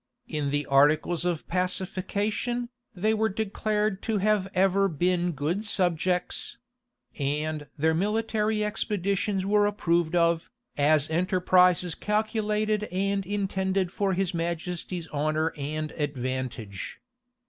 [*] In the articles of pacification, they were declared to have ever been good subjects; and their military expeditions were approved of, as enterprises calculated and intended for his majesty's honor and advantage.